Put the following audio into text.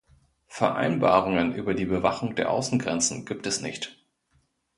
Vereinbarungen über die Bewachung der Außengrenzen gibt es nicht.